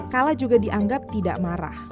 kala juga dianggap tidak marah